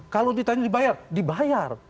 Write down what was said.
kalau ditanya dibayar dibayar